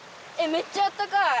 めっちゃあったかい！